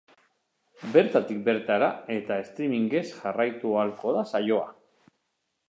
Bertatik bertara eta streamingez jarraitu ahalko da saioa.